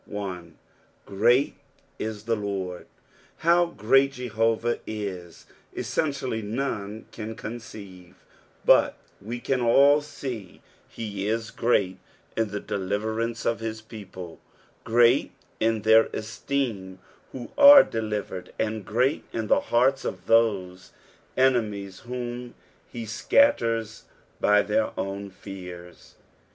1. ^^ Great is the Lord." How great Jehovah is eseentiallj none can con ceive ; but we can all see that he is great in the deliverance of hia people, great in their eateum who arc delivered, and great ia tlie hearts of those enemies irhoni he acatten b; their own feara.